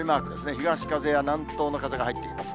東風や南東の風が入ってきます。